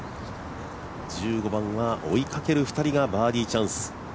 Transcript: １５番は追いかける２人がバーディーチャンス。